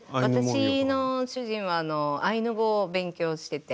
私の主人はアイヌ語を勉強してて。